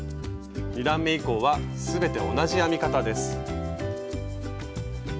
２段め以降は全て同じ編み方です。